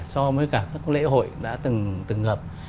so với cả các lễ hội đã từng gặp